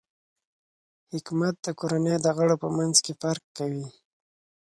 حکمت د کورنۍ د غړو په منځ کې فرق کوي.